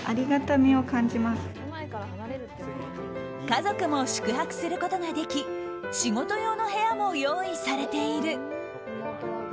家族も宿泊することができ仕事用の部屋も用意されている。